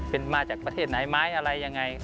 เป็นมาจากประเทศไหนไหมอะไรยังไง